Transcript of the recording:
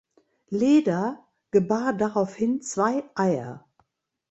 Leda gebar daraufhin zwei Eier.